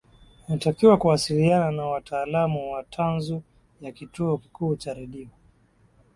inatakiwa kuwasiliana na wataalam wa tanzu ya kituo kikuu cha redio